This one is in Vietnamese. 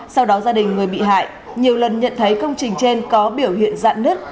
sau đó gia đình người bị hại nhiều lần nhận thấy công trình trên có biểu hiện dạn nứt